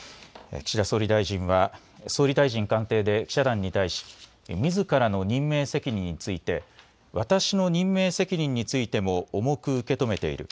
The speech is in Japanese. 岸田総理大臣は、総理大臣官邸で記者団に対し、みずからの任命責任について、私の任命責任についても、重く受け止めている。